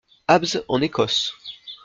Abbs en Écosse.